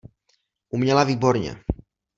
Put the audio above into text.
Uměla výborně.